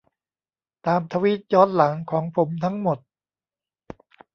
ตามทวีตย้อนหลังของผมทั้งหมด